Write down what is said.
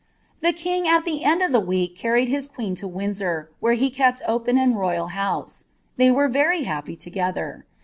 Tlie king at the end of the week ried bia queen to Windsor, where he kept open and royal house. ey were very happy together.